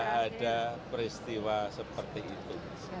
setahu saya tidak ada peristiwa seperti itu